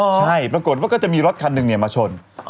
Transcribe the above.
ใช่ปรากฏว่าก็จะมีรถคันหนึ่งมาชน